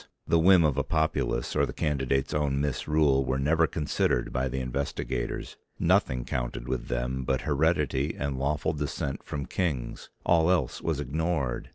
The whim of a populace or the candidate's own misrule were never considered by the investigators, nothing counted with them but heredity and lawful descent from kings, all else was ignored.